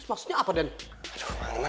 maksudnya apa dan